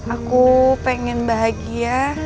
aku pengen bahagia